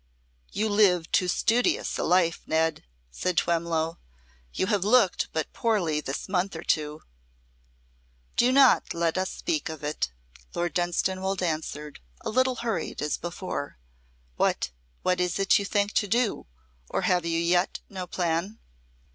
"You live too studious a life, Ned," said Twemlow. "You have looked but poorly this month or two." "Do not let us speak of it," Lord Dunstanwolde answered, a little hurried, as before. "What what is it you think to do or have you yet no plan?"